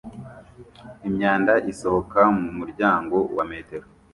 Imyanda isohoka mu muryango wa metero